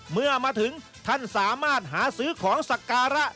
เมื่อมาถึงท่านสามารถหาซื้อของสักการะ